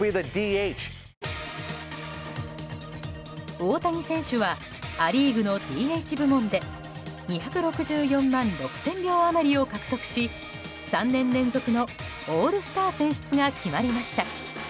大谷選手はア・リーグのＤＨ部門で２６４万６０００票余りを獲得し３年連続のオールスター選出が決まりました。